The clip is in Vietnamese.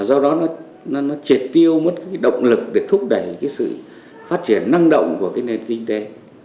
do đó nó triệt tiêu một động lực để thúc đẩy sự phát triển năng động của nền kinh tế